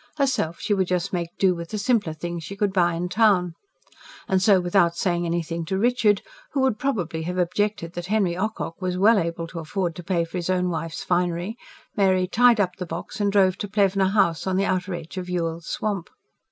Herself she would just make do with the simpler things she could buy in town. And so, without saying anything to Richard, who would probably have objected that Henry Ocock was well able to afford to pay for his own wife's finery, Mary tied up the box and drove to Plevna House, on the outer edge of Yuille's Swamp.